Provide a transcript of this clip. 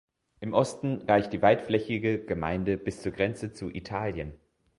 Im Osten reicht die weitflächige Gemeinde bis zur Grenze zu Italien.